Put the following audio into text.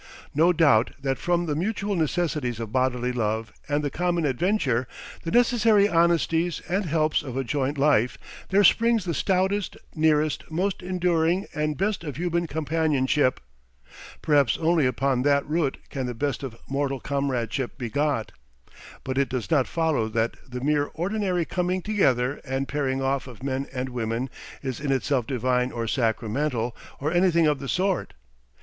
No doubt that from the mutual necessities of bodily love and the common adventure, the necessary honesties and helps of a joint life, there springs the stoutest, nearest, most enduring and best of human companionship; perhaps only upon that root can the best of mortal comradeship be got; but it does not follow that the mere ordinary coming together and pairing off of men and women is in itself divine or sacramental or anything of the sort.